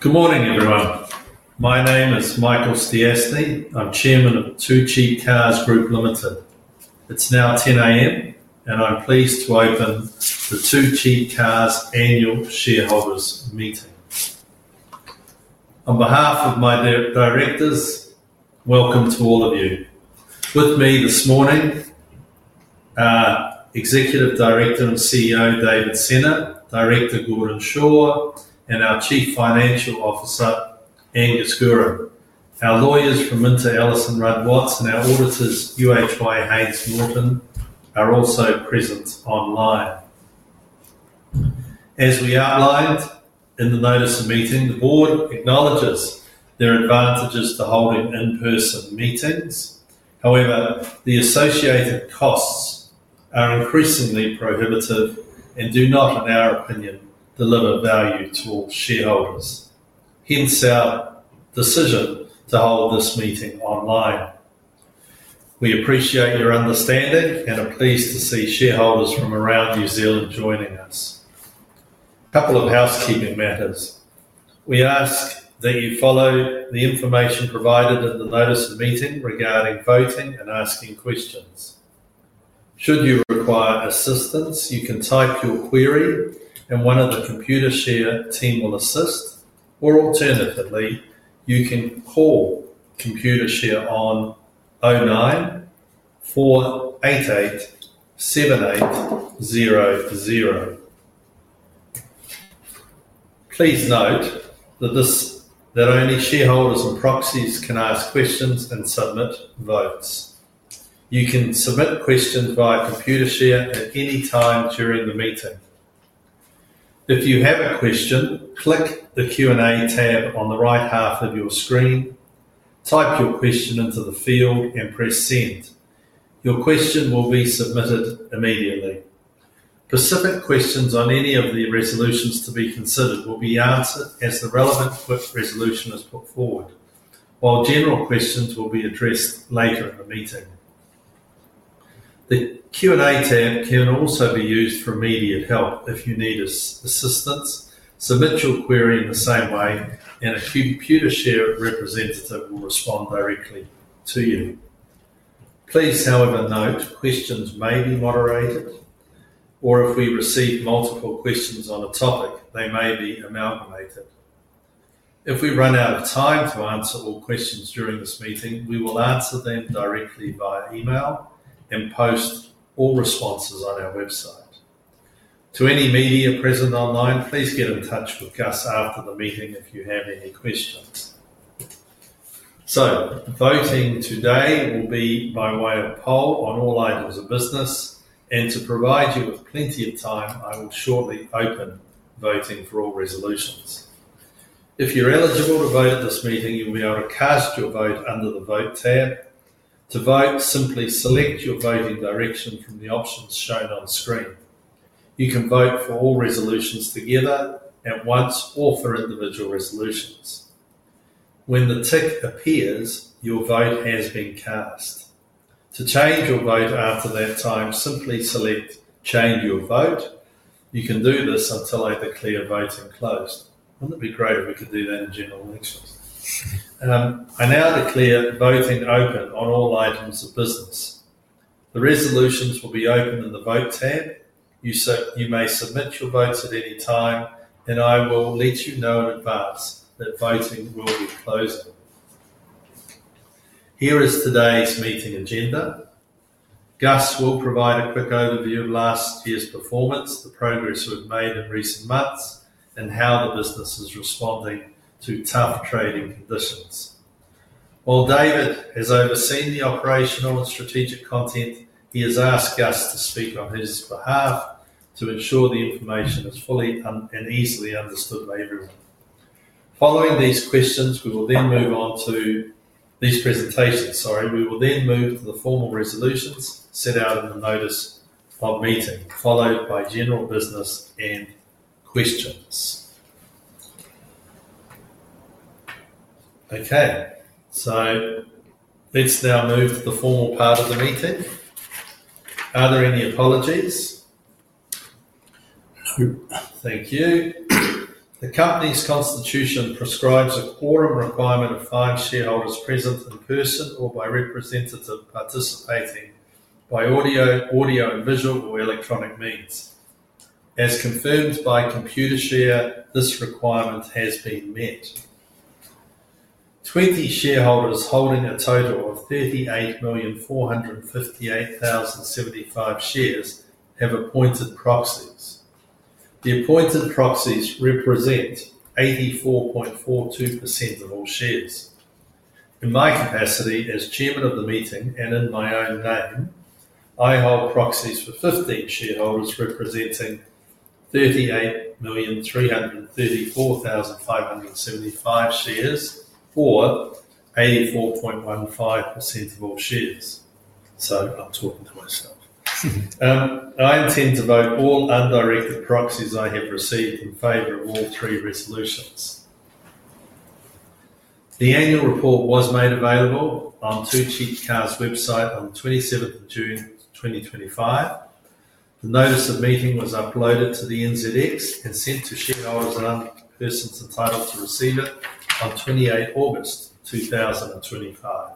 Good morning, everyone. My name is Michael Stiassny. I'm Chairman of 2 Cheap Cars Group Limited. It's now 10:00 A.M., and I'm pleased to open the 2 Cheap Cars Annual Shareholders Meeting. On behalf of my directors, welcome to all of you. With me this morning are Executive Director and CEO, David Sena, Director Gordon Shaw, and our Chief Financial Officer, Angus Guerin. Our lawyers from MinterEllisonRuddWatts and our auditors, UHY Haines Norton, are also present online. As we outlined in the notice of meeting, the board acknowledges there are advantages to holding in-person meetings. However, the associated costs are increasingly prohibitive and do not, in our opinion, deliver value to all shareholders. Hence our decision to hold this meeting online. We appreciate your understanding and are pleased to see shareholders from around New Zealand joining us. A couple of housekeeping matters. We ask that you follow the information provided in the notice of meeting regarding voting and asking questions. Should you require assistance, you can type your query and one of the Computershare team will assist, or alternatively, you can call Computershare on 09 488 7804. Please note that only shareholders and proxies can ask questions and submit votes. You can submit questions via Computershare at any time during the meeting. If you have a question, click the Q&A tab on the right half of your screen, type your question into the field, and press Send. Your question will be submitted immediately. Specific questions on any of the resolutions to be considered will be answered as the relevant resolution is put forward, while general questions will be addressed later in the meeting. The Q&A tab can also be used for immediate help if you need assistance. Submit your query in the same way, and a few Computershare representatives will respond directly to you. Please, however, note questions may be moderated, or if we receive multiple questions on a topic, they may be amalgamated. If we run out of time to answer all questions during this meeting, we will answer them directly via email and post all responses on our website. To any media present online, please get in touch with us after the meeting if you have any questions. Voting today will be by way of poll on all items of business, and to provide you with plenty of time, I will shortly open voting for all resolutions. If you're eligible to vote at this meeting, you'll be able to cast your vote under the vote tab. To vote, simply select your voting direction from the options shown on the screen. You can vote for all resolutions together at once or for individual resolutions. When the tick appears, your vote has been cast. To change your vote after that time, simply select Change Your Vote. You can do this until clear votes are closed, and it'd be great if we could do that in general elections. I'm now declaring voting open on all items of business. The resolutions will be opened in the vote tab. You may submit your votes at any time, and I will let you know in advance that voting will be closing. Here is today's meeting agenda. Gus will provide a quick overview of last year's performance, the progress we've made in recent months, and how the business is responding to tough trading conditions. While David has overseen the operational and strategic content, he has asked Gus to speak on his behalf to ensure the information is fully and easily understood by everyone. Following these questions, we will then move on to these presentations. Sorry, we will then move to the formal resolutions set out in the notice of meeting, followed by general business and questions. Okay, let's now move to the formal part of the meeting. Are there any apologies? Thank you. The company's constitution prescribes a quorum requirement of five shareholders present in person or by representative participating by audio, audio and visual, or electronic means. As confirmed by Computershare, this requirement has been met. Twenty shareholders holding a total of 38,458,075 shares have appointed proxies. The appointed proxies represent 84.42% of all shares. In my capacity as Chairman of the meeting and in my own name, I hold proxies for 15 shareholders representing 38,334,575 shares or 84.15% of all shares. I'm talking to myself. I intend to vote all undirected proxies I have received in favor of all three resolutions. The annual report was made available on 2 Cheap Cars Group Limited website on June 27, 2025. The notice of meeting was uploaded to the NZX and sent to shareholders and persons entitled to receive it on August 28, 2025.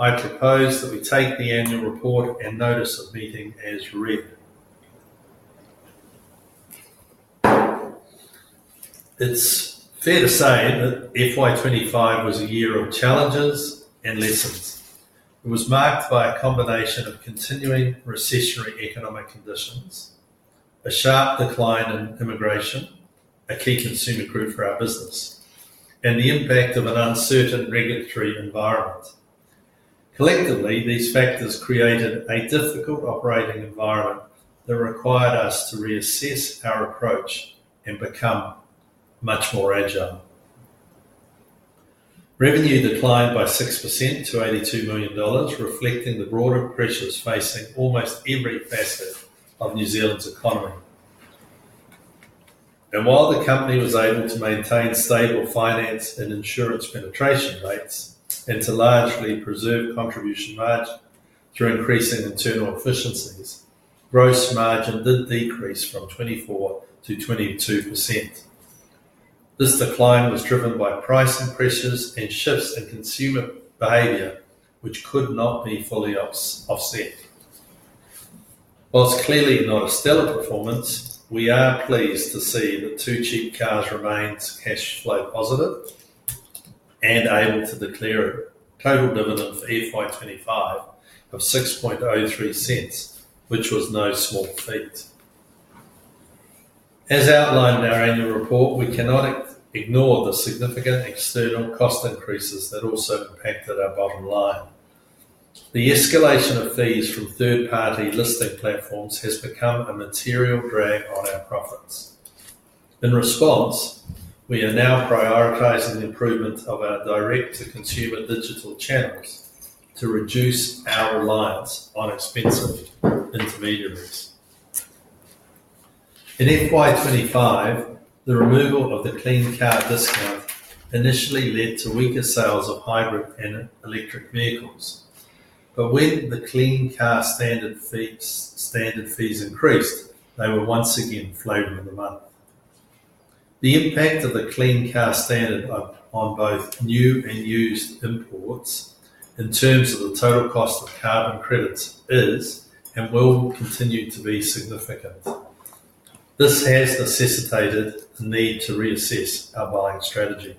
I propose that we take the annual report and notice of meeting as written. It's fair to say that FY25 was a year of challenges and lessons. It was marked by a combination of continuing recessionary economic conditions, a sharp decline in immigration, a key consumer group for our business, and the impact of an uncertain regulatory environment. Collectively, these factors created a difficult operating environment that required us to reassess our approach and become much more agile. Revenue declined by 6% to $82 million, reflecting the broader pressures facing almost every facet of New Zealand's economy. While the company was able to maintain stable finance and insurance penetration rates and to largely preserve contribution margin through increasing internal efficiencies, gross margin did decrease from 24% to 22%. This decline was driven by pricing pressures and shifts in consumer behavior, which could not be fully offset. Whilst clearly not a stellar performance, we are pleased to see that 2 Cheap Cars Group Limited remains cash flow positive and able to declare a total dividend for FY25 of $0.0603, which was no small feat. As outlined in our annual report, we cannot ignore the significant external cost increases that also impacted our bottom line. The escalation of fees from third-party listing platforms has become a material drag on our profits. In response, we are now prioritizing the improvement of our direct-to-consumer digital channels to reduce our reliance on expensive intermediaries. In FY25, the removal of the Clean Car discount initially led to weaker sales of hybrid and electric vehicles. When the Clean Car Standard fees increased, they were once again floating on the market. The impact of the Clean Car Standard on both new and used imports in terms of the total cost of car and credits is and will continue to be significant. This has necessitated the need to reassess our buying strategy.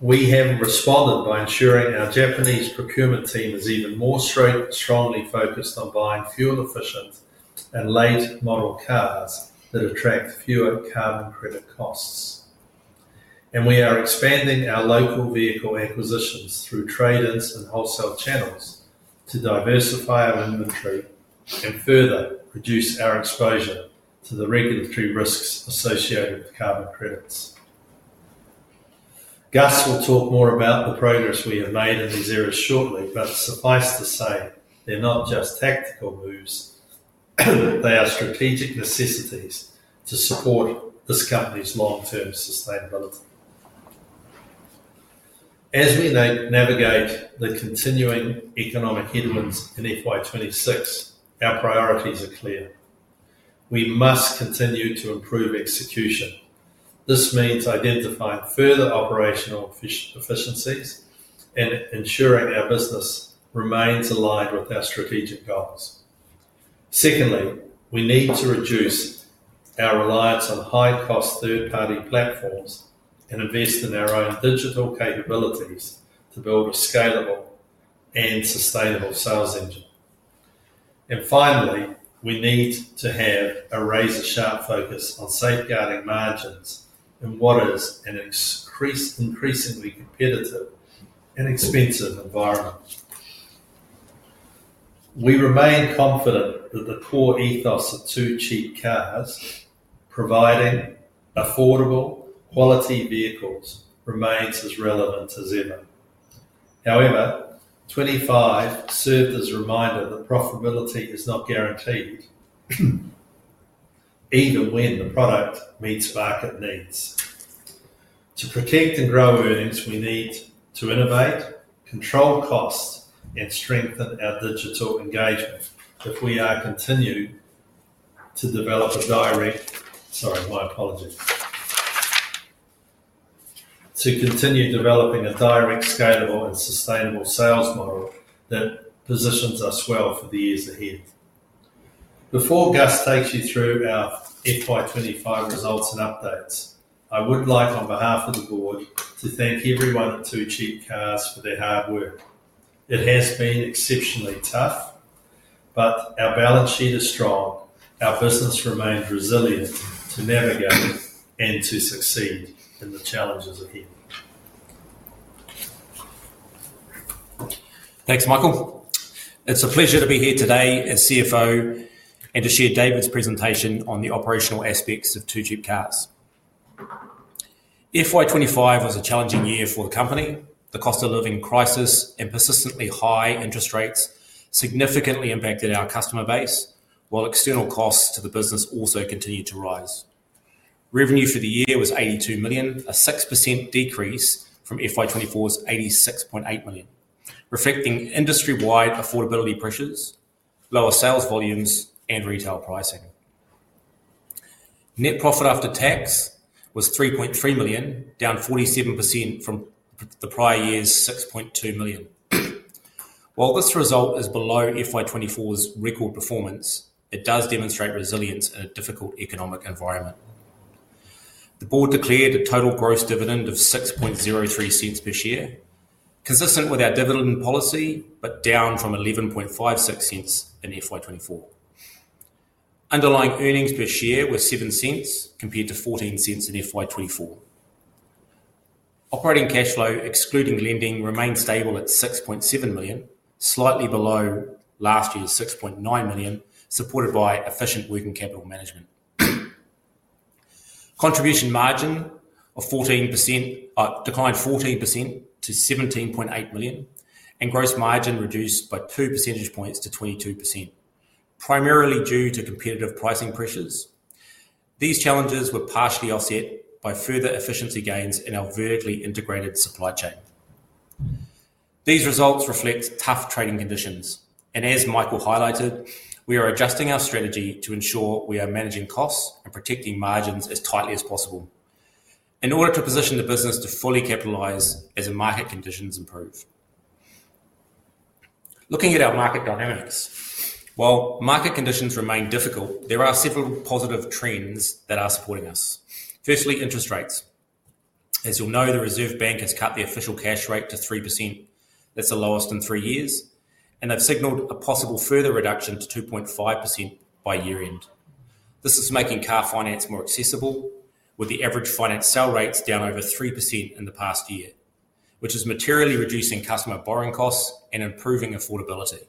We have responded by ensuring our Japanese procurement team is even more strongly focused on buying fuel-efficient and late-model cars that attract fewer carbon credit costs. We are expanding our local vehicle acquisitions through trade-ins and wholesale channels to diversify our inventory and further reduce our exposure to the regulatory risks associated with carbon credits. Gus will talk more about the progress we have made in these areas shortly, but suffice to say they're not just tactical moves, but they are strategic necessities to support this company's long-term sustainability. As we navigate the continuing economic headwinds in FY26, our priorities are clear. We must continue to improve execution. This means identifying further operational efficiencies and ensuring our business remains aligned with our strategic goals. Secondly, we need to reduce our reliance on high-cost third-party listing platforms and invest in our own digital capabilities to build a scalable and sustainable sales engine. Finally, we need to have a razor-sharp focus on safeguarding margins in what is an increasingly competitive and expensive environment. We remain confident that the core ethos of 2 Cheap Cars, providing affordable, quality vehicles, remains as relevant as ever. However, 2025 served as a reminder that profitability is not guaranteed, even when the product meets market needs. To protect and grow earnings, we need to innovate, control costs, and strengthen our digital engagement to continue developing a direct, scalable, and sustainable sales model that positions us well for the years ahead. Before Gus takes you through our FY2025 results and updates, I would like, on behalf of the Board, to thank everyone at 2 Cheap Cars for their hard work. It has been exceptionally tough, but our balance sheet is strong. Our business remains resilient to navigate it and to succeed in the challenges ahead. Thanks, Michael. It's a pleasure to be here today as CFO and to share David's presentation on the operational aspects of 2 Cheap Cars Group Limited. FY2025 was a challenging year for the company. The cost of living crisis and persistently high interest rates significantly impacted our customer base, while external costs to the business also continued to rise. Revenue for the year was $82 million, a 6% decrease from FY2024's $86.8 million, reflecting industry-wide affordability pressures, lower sales volumes, and retail pricing. Net profit after tax was $3.3 million, down 47% from the prior year's $6.2 million. While this result is below FY2024's record performance, it does demonstrate resilience in a difficult economic environment. The board declared a total gross dividend of $0.0603 per share, consistent with our dividend policy, but down from $0.1156 in FY2024. Underlying earnings per share were $0.07 compared to $0.14 in FY2024. Operating cash flow, excluding lending, remained stable at $6.7 million, slightly below last year's $6.9 million, supported by efficient working capital management. Contribution margin of 14% declined 14% to $17.8 million, and gross margin reduced by 2% points to 22%, primarily due to competitive pricing pressures. These challenges were partially offset by further efficiency gains in our vertically integrated supply chain. These results reflect tough trading conditions, and as Michael highlighted, we are adjusting our strategy to ensure we are managing costs and protecting margins as tightly as possible in order to position the business to fully capitalize as market conditions improve. Looking at our market dynamics, while market conditions remain difficult, there are several positive trends that are supporting us. Firstly, interest rates. As you'll know, the Reserve Bank has cut the official cash rate to 3%. That's the lowest in three years, and they've signaled a possible further reduction to 2.5% by year-end. This is making car finance more accessible, with the average finance sale rates down over 3% in the past year, which is materially reducing customer borrowing costs and improving affordability.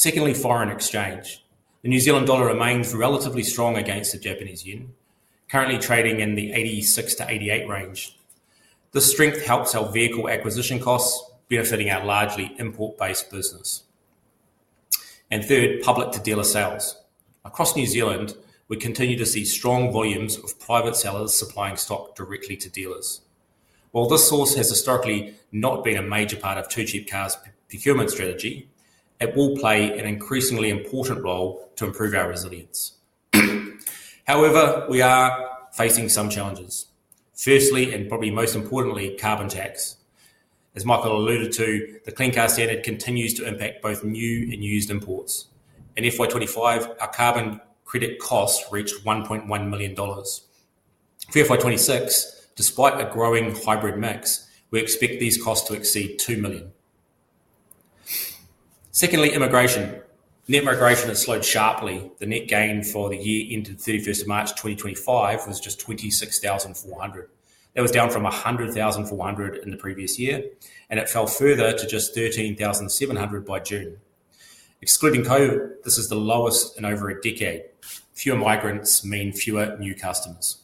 Secondly, foreign exchange. The New Zealand dollar remains relatively strong against the Japanese yen, currently trading in the $86 to $88 range. This strength helps our vehicle acquisition costs, benefiting our largely import-based business. Third, public to dealer sales. Across New Zealand, we continue to see strong volumes of private sellers supplying stock directly to dealers. While this source has historically not been a major part of 2 Cheap Cars Group Limited's procurement strategy, it will play an increasingly important role to improve our resilience. However, we are facing some challenges. Firstly, and probably most importantly, carbon tax. As Michael Stiassny alluded to, the Clean Car Standard continues to impact both new and used imports. In FY2025, our carbon credit costs reached $1.1 million. For FY2026, despite a growing hybrid mix, we expect these costs to exceed $2 million. Secondly, immigration. Net migration has slowed sharply. The net gain for the year ended March 31, 2025 was just 26,400. It was down from 100,400 in the previous year, and it fell further to just 13,700 by June. Excluding COVID, this is the lowest in over a decade. Fewer migrants mean fewer new customers.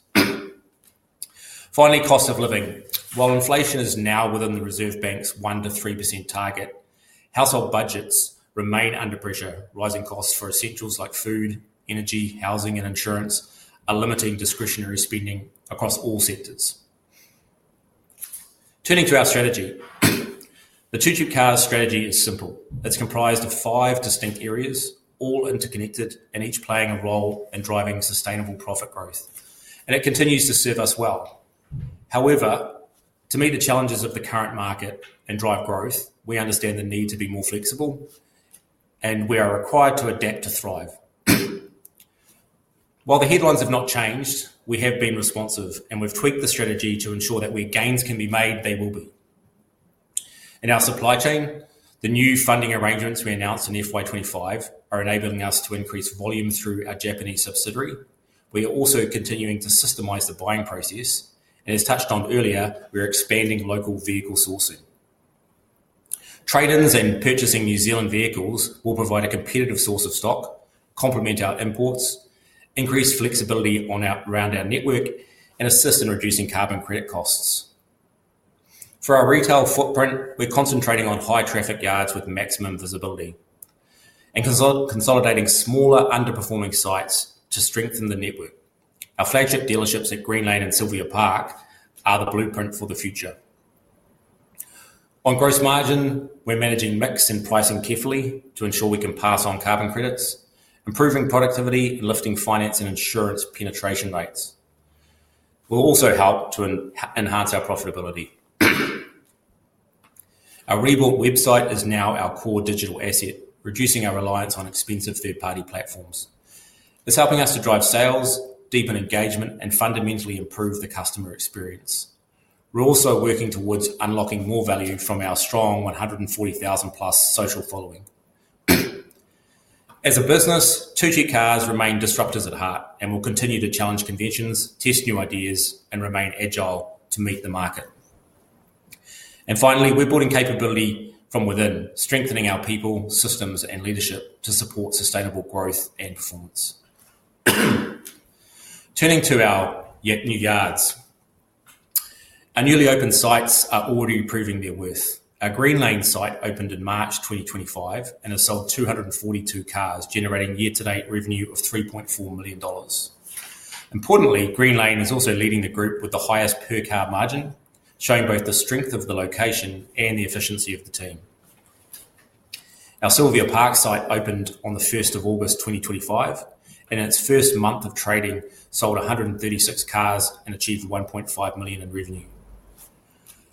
Finally, cost of living. While inflation is now within the Reserve Bank's 1% to 3% target, household budgets remain under pressure. Rising costs for essentials like food, energy, housing, and insurance are limiting discretionary spending across all sectors. Turning to our strategy, the 2 Cheap Cars Group Limited strategy is simple. It's comprised of five distinct areas, all interconnected, and each playing a role in driving sustainable profit growth. It continues to serve us well. However, to meet the challenges of the current market and drive growth, we understand the need to be more flexible, and we are required to adapt to thrive. While the headlines have not changed, we have been responsive, and we've tweaked the strategy to ensure that where gains can be made, they will be. In our supply chain, the new funding arrangements we announced in FY2025 are enabling us to increase volume through our Japanese subsidiary, Car Plus K.K. We are also continuing to systemize the buying process, and as touched on earlier, we are expanding local vehicle sourcing. Trade-ins and purchasing New Zealand vehicles will provide a competitive source of stock, complement our imports, increase flexibility around our network, and assist in reducing carbon credit costs. For our retail footprint, we're concentrating on high traffic yards with maximum visibility and consolidating smaller underperforming sites to strengthen the network. Our flagship dealerships at Green Lane and Sylvia Park are the blueprint for the future. On gross margin, we're managing mix and pricing carefully to ensure we can pass on carbon credits, improving productivity and lifting finance and insurance penetration rates. We'll also help to enhance our profitability. Our rebuilt website is now our core digital asset, reducing our reliance on expensive third-party listing platforms. It's helping us to drive sales, deepen engagement, and fundamentally improve the customer experience. We're also working towards unlocking more value from our strong 140,000-plus social following. As a business, 2 Cheap Cars Group Limited remain disruptors at heart and will continue to challenge conventions, test new ideas, and remain agile to meet the market. Finally, we're building capability from within, strengthening our people, systems, and leadership to support sustainable growth and performance. Turning to our new yards, our newly opened sites are already proving their worth. Our Green Lane site opened in March 2025 and has sold 242 cars, generating year-to-date revenue of $3.4 million. Importantly, Green Lane is also leading the group with the highest per-car margin, showing both the strength of the location and the efficiency of the team. Our Sylvia Park site opened on the 1st of August 2025, and in its first month of trading, sold 136 cars and achieved $1.5 million in revenue.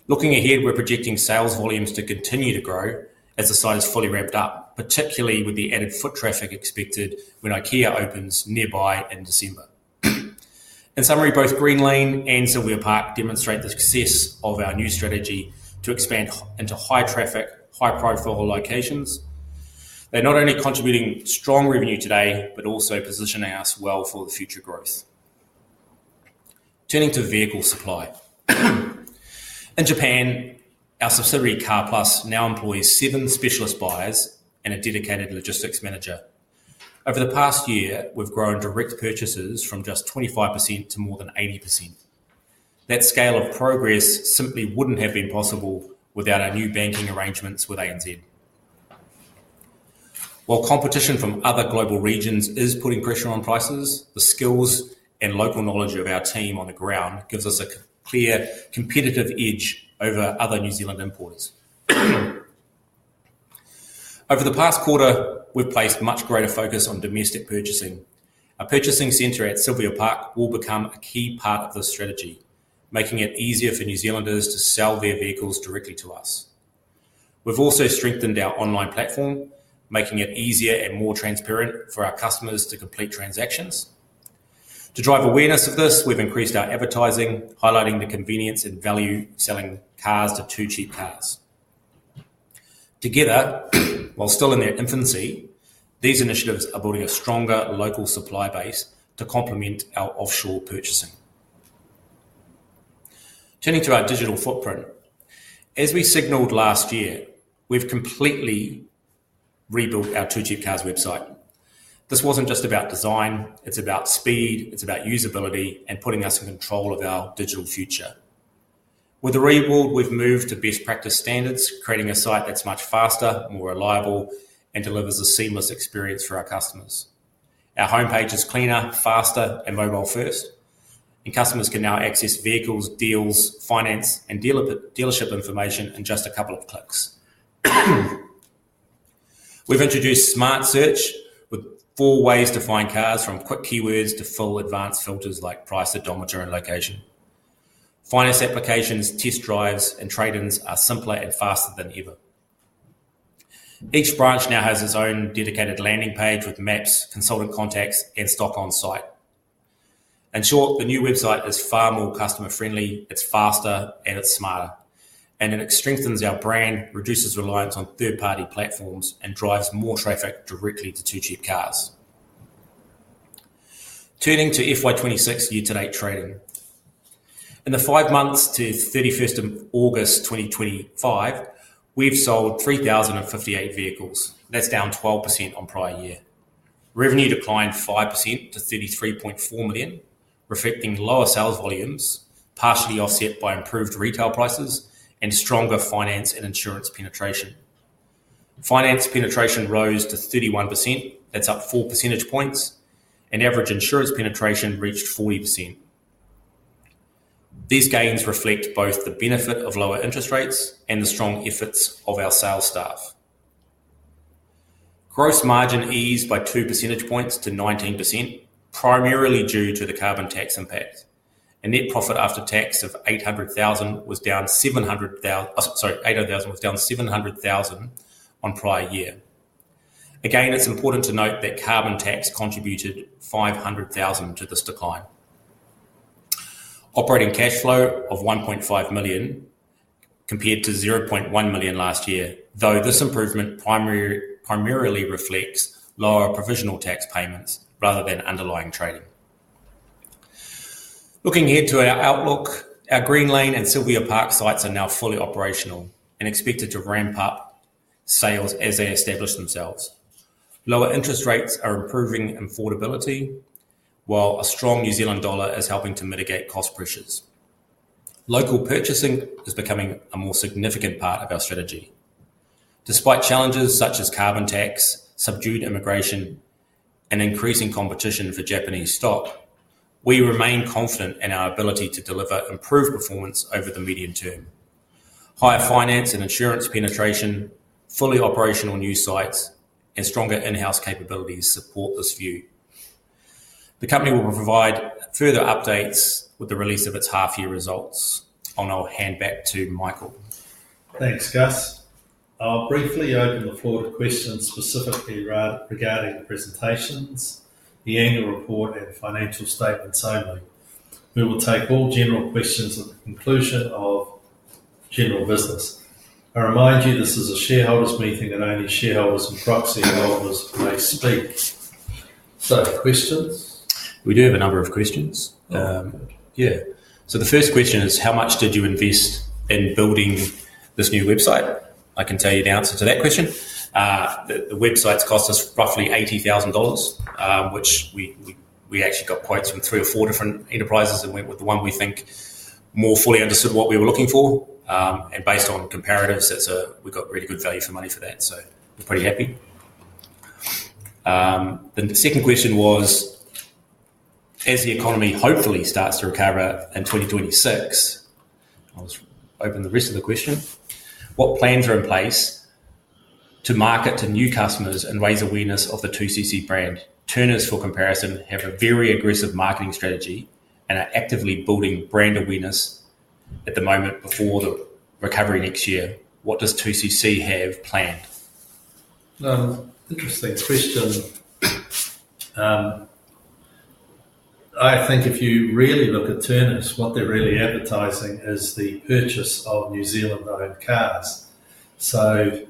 Looking ahead, we're projecting sales volumes to continue to grow as the site is fully ramped up, particularly with the added foot traffic expected when IKEA opens nearby in December. In summary, both Green Lane and Sylvia Park demonstrate the success of our new strategy to expand into high-traffic, high-profile locations. They're not only contributing strong revenue today, but also positioning us well for future growth. Turning to vehicle supply. In Japan, our subsidiary Car Plus K.K. now employs seven specialist buyers and a dedicated logistics manager. Over the past year, we've grown direct purchases from just 25% to more than 80%. That scale of progress simply wouldn't have been possible without our new banking arrangements with ANZ. While competition from other global regions is putting pressure on prices, the skills and local knowledge of our team on the ground give us a clear competitive edge over other New Zealand importers. Over the past quarter, we've placed much greater focus on domestic purchasing. Our purchasing center at Sylvia Park will become a key part of the strategy, making it easier for New Zealanders to sell their vehicles directly to us. We've also strengthened our online platform, making it easier and more transparent for our customers to complete transactions. To drive awareness of this, we've increased our advertising, highlighting the convenience and value of selling cars to 2 Cheap Cars. Together, while still in their infancy, these initiatives are building a stronger local supply base to complement our offshore purchasing. Turning to our digital footprint. As we signaled last year, we've completely rebuilt our 2 Cheap Cars website. This wasn't just about design, it's about speed, it's about usability, and putting us in control of our digital future. With the rebuild, we've moved to best practice standards, creating a site that's much faster, more reliable, and delivers a seamless experience for our customers. Our homepage is cleaner, faster, and mobile-first, and customers can now access vehicles, deals, finance, and dealership information in just a couple of clicks. We've introduced smart search with four ways to find cars, from quick keywords to full advanced filters like price, odometer, and location. Finance applications, test drives, and trade-ins are simpler and faster than ever. Each branch now has its own dedicated landing page with maps, consultant contacts, and stock on site. In short, the new website is far more customer-friendly, it's faster, and it's smarter. It strengthens our brand, reduces reliance on third-party listing platforms, and drives more traffic directly to 2 Cheap Cars. Turning to FY26 year-to-date trading. In the five months to 31st of August 2025, we've sold 3,058 vehicles. That's down 12% on prior year. Revenue declined 5% to $33.4 million, reflecting lower sales volumes, partially offset by improved retail prices and stronger finance and insurance penetration. Finance penetration rose to 31%. That's up 4 percentage points, and average insurance penetration reached 40%. These gains reflect both the benefit of lower interest rates and the strong efforts of our sales staff. Gross margin eased by 2 percentage points to 19%, primarily due to the carbon credit impact. Net profit after tax of $800,000 was down $700,000 on prior year. It's important to note that carbon credit contributed $500,000 to this decline. Operating cash flow of $1.5 million compared to $0.1 million last year, though this improvement primarily reflects lower provisional tax payments rather than underlying trading. Looking ahead to our outlook, our Green Lane and Sylvia Park sites are now fully operational and expected to ramp up sales as they establish themselves. Lower interest rates are improving affordability, while a strong New Zealand dollar is helping to mitigate cost pressures. Local purchasing is becoming a more significant part of our strategy. Despite challenges such as carbon credit costs, subdued immigration, and increasing competition for Japanese stock, we remain confident in our ability to deliver improved performance over the medium term. Higher finance and insurance penetration, fully operational new sites, and stronger in-house capabilities support this view. The company will provide further updates with the release of its half-year results, and I'll hand back to Michael. Thanks, Gus. I'll briefly open the floor to questions specifically regarding the presentations, the annual report, and financial statements. We will take all general questions at the conclusion of general business. I remind you this is a shareholders meeting and only shareholders and proxy holders may speak. A question? We do have a number of questions. Yeah. The first question is, how much did you invest in building this new website? I can tell you the answer to that question. The website's cost us roughly $80,000, which we actually got quotes from three or four different enterprises and went with the one we think more fully understood what we were looking for. Based on comparatives, we got really good value for money for that. We're pretty happy. The second question was, as the economy hopefully starts to recover in 2026, I'll open the rest of the question. What plans are in place to market to new customers and raise awareness of the 2 Cheap Cars Group Limited brand? Turners, for comparison, have a very aggressive marketing strategy and are actively building brand awareness at the moment before the recovery next year. What does 2 Cheap Cars Group Limited have planned? Interesting question. I think if you really look at Turners, what they're really advertising is the purchase of New Zealand-owned cars. The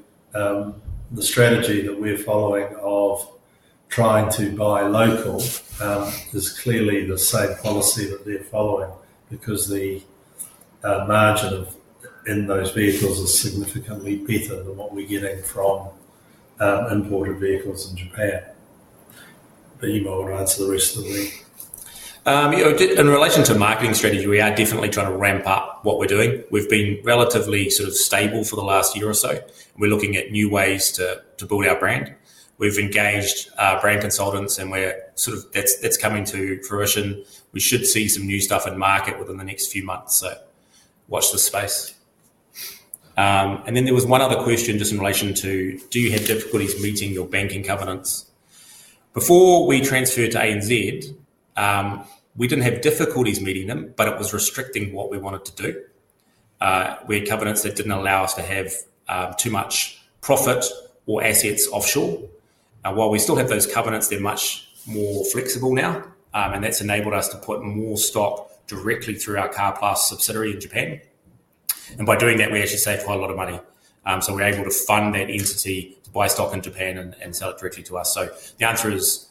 strategy that we're following of trying to buy local is clearly the same policy that they're following, because the margin in those vehicles is significantly better than what we're getting from imported vehicles in Japan. You might want to answer the rest of the thing. You know, in relation to marketing strategy, we are definitely trying to ramp up what we're doing. We've been relatively sort of stable for the last year or so. We're looking at new ways to build our brand. We've engaged our brand consultants, and it's coming to fruition. We should see some new stuff in market within the next few months. Watch this space. There was one other question just in relation to, do you have difficulties meeting your banking covenants? Before we transferred to ANZ, we didn't have difficulties meeting them, but it was restricting what we wanted to do. We had covenants that didn't allow us to have too much profit or assets offshore. While we still have those covenants, they're much more flexible now, and that's enabled us to put more stock directly through our Car Plus K.K. subsidiary in Japan. By doing that, we actually save quite a lot of money. We're able to fund that entity to buy stock in Japan and sell it directly to us. The answer is,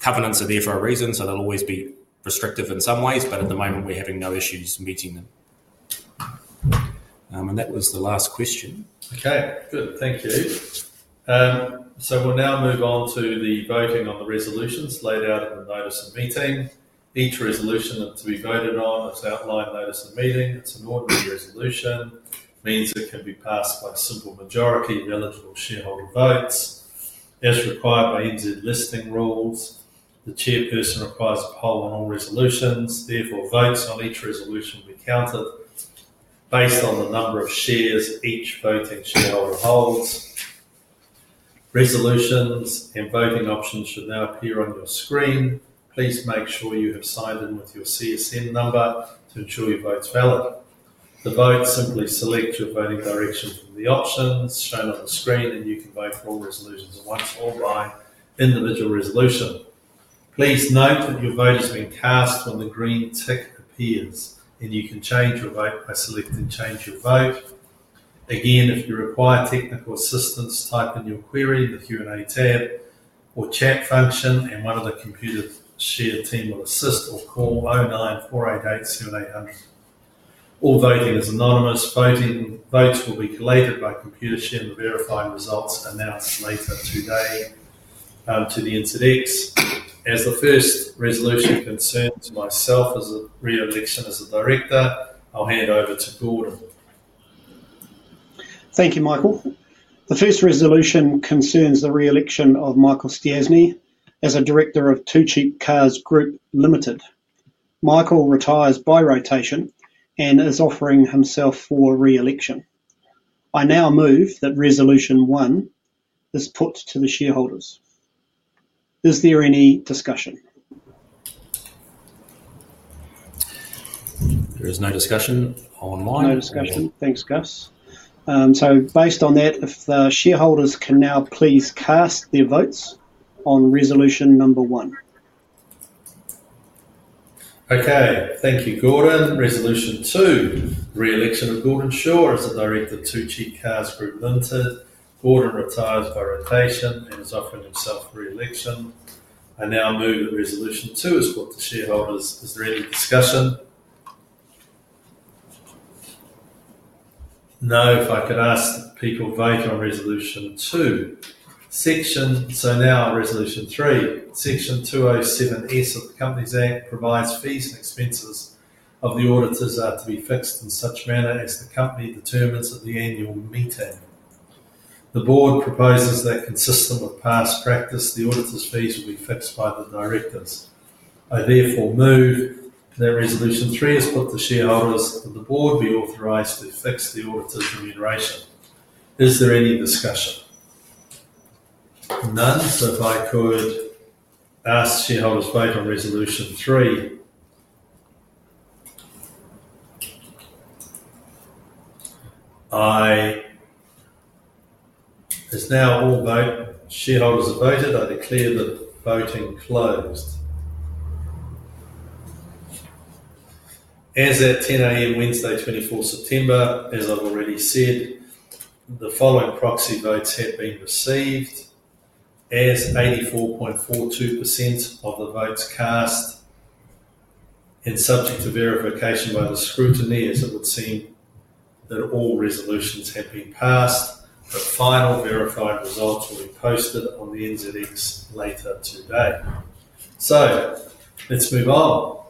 covenants are there for a reason, so they'll always be restrictive in some ways, but at the moment we're having no issues meeting them. That was the last question. Okay, good. Thank you. We'll now move on to the voting on the resolutions laid out in the notice of meeting. Each resolution that's to be voted on is outlined in the notice of meeting. It's an ordinary resolution. It means it can be passed by a simple majority of eligible shareholder votes. As required by NZX listing rules, the Chairperson requires a poll on all resolutions. Therefore, votes on each resolution will be counted based on the number of shares each voting shareholder holds. Resolutions and voting options should now appear on your screen. Please make sure you have signed in with your CSN number to ensure your vote's valid. To vote, simply select your voting direction from the options shown on the screen, and you can vote for all resolutions at once or by individual resolution. Please note that your vote has been cast when the green tick appears, and you can change your vote by selecting change your vote. If you require technical assistance, type in your query in the Q&A tab or chat function, and one of the Computershare team will assist or call 09 488 7800. All voting is anonymous. Votes will be collated by Computershare and the verified results announced later today. As the first resolution concerns myself as a re-election as a director, I'll hand over to Gordon. Thank you, Michael. The first resolution concerns the re-election of Michael Stiassny as a director of 2 Cheap Cars Group Limited. Michael retires by rotation and is offering himself for re-election. I now move that Resolution 1 is put to the shareholders. Is there any discussion? There is no discussion online. No discussion. Thanks, Gus. Based on that, if the shareholders can now please cast their votes on Resolution Number 1. Okay, thank you, Gordon. Resolution 2, re-election of Gordon Shaw as the director of 2 Cheap Cars Group Limited. Gordon retires by rotation and has offered himself for re-election. I now move that Resolution 2 is put to shareholders. Is there any discussion? No, if I could ask that people vote on Resolution 2. Now, Resolution 3. Section 207(s) of the Companies Act provides fees and expenses of the auditors are to be fixed in such manner as the company determines at the annual meeting. The board proposes that, consistent with past practice, the auditor's fees will be fixed by the directors. I therefore move that Resolution 3 is put to shareholders, that the board be authorized to fix the auditor's remuneration. Is there any discussion? None. If I could ask shareholders to vote on Resolution 3. As now all shareholders have voted, I declare the voting closed. As at 10:00 A.M. Wednesday, 24 September, as I've already said, the following proxy votes have been received. As 84.42% of the votes cast and subject to verification by the scrutiny, it would seem that all resolutions had been passed. The final verified results will be posted on the NZX later today. Let's move on.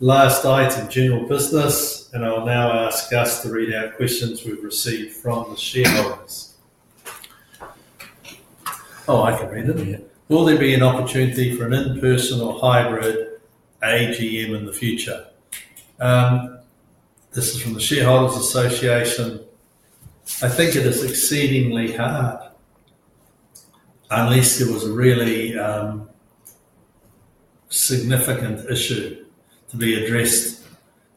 Last item: general business, and I'll now ask Gus to read out questions we've received from the shareholders. Oh, I can read them here. Will there be an opportunity for an in-person or hybrid AGM in the future? This is from the Shareholders Association. I think it is exceedingly hard, unless there was a really significant issue to be addressed,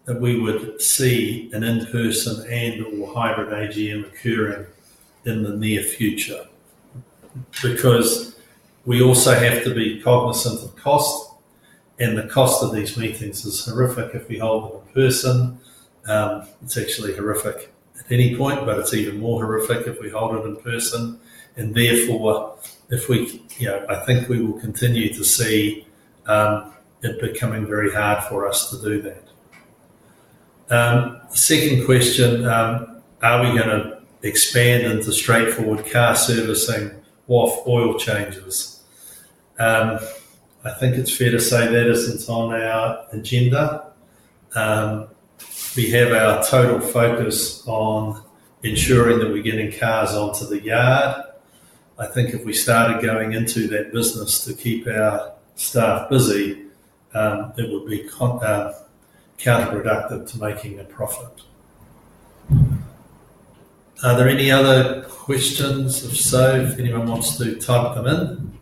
that we would see an in-person and/or hybrid AGM occur in the near future. We also have to be cognizant of cost, and the cost of these meetings is horrific if we hold it in person. It's actually horrific at any point, but it's even more horrific if we hold it in person. Therefore, I think we will continue to see it becoming very hard for us to do that. Second question, are we going to expand into straightforward car servicing or oil changes? I think it's fair to say that it's on our agenda. We have our total focus on ensuring that we're getting cars onto the yard. I think if we started going into that business to keep our staff busy, it would be counterproductive to making a profit. Are there any other questions? If so, if anyone wants to type them in?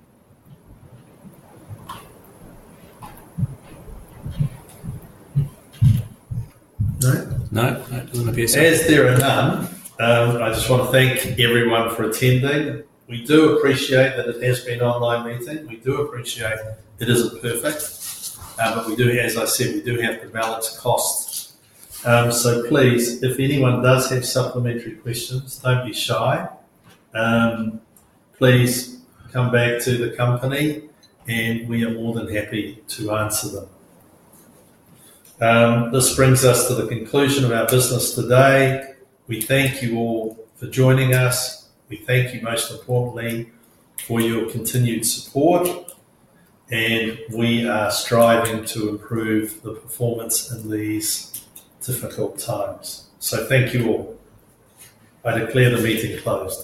No. No, no, no. As there are none, I just want to thank everyone for attending. We do appreciate that it is an online meeting. We do appreciate it isn't perfect, but we do have, as I said, we do have to balance costs. Please, if anyone does have supplementary questions, don't be shy. Please come back to the company, and we are more than happy to answer them. This brings us to the conclusion of our business today. We thank you all for joining us. We thank you most importantly for your continued support, and we are striving to improve the performance in these difficult times. Thank you all. I declare the meeting closed.